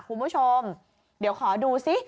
คุณผู้ชมเดี๋ยวขอดูซิ